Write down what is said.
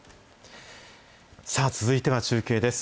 さあ続いては中継です。